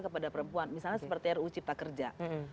kepada perempuan misalnya seperti ruu cipta kerja